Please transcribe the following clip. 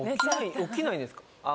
・起きないんですか？